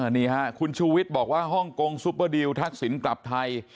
นี่ค่ะคุณชูวิทย์บอกว่าฮ่องกงซุปเปอร์ดิวทักษิณกลับไทย